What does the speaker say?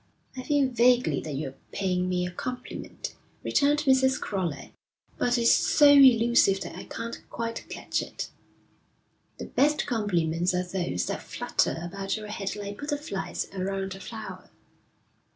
'I feel vaguely that you're paying me a compliment,' returned Mrs. Crowley, 'but it's so elusive that I can't quite catch it.' 'The best compliments are those that flutter about your head like butterflies around a flower.'